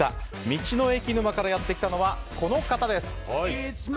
道の駅沼からやってきたのはこの方です。